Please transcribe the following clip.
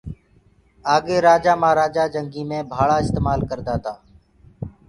آگي رآجآ مآهرآجآ جنگيٚ مي ڀآلآ استمآل ڪردآ تآ۔